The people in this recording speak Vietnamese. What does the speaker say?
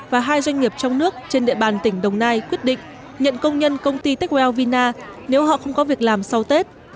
và hai doanh nghiệp trong nước trên địa bàn tỉnh đồng nai quyết định nhận công nhân công ty techwell vina nếu họ không có việc làm sau tết